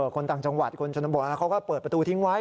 คนต่างจังหวัดคนชนบทเขาก็เปิดประตูทิ้งไว้